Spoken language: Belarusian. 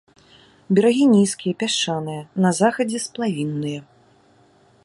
Берагі нізкія, пясчаныя, на захадзе сплавінныя.